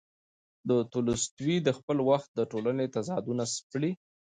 تولستوی د خپل وخت د ټولنې تضادونه سپړي.